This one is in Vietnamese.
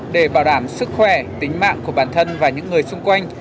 để bảo đảm sức khỏe tính mạng của bản thân và những người xung quanh